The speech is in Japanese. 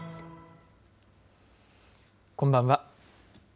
こんばんは。